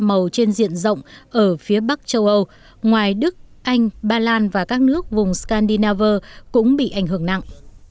hoa màu trên diện rộng ở phía bắc châu âu ngoài đức anh ba lan và các nước vùng scandinavia cũng bị ảnh hưởng nặng